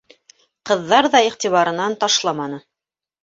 Ҡыҙҙар ҙа иғтибарынан ташламаны.